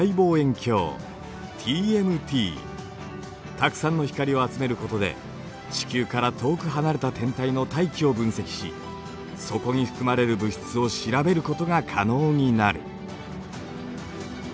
たくさんの光を集めることで地球から遠く離れた天体の大気を分析しそこに含まれる物質を調べることが可能になる。